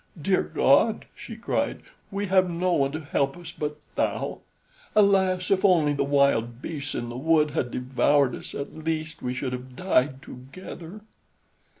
"Dear God," she cried, "we have no one to help us but Thou. Alas! if only the wild beasts in the wood had devoured us, at least we should have died together."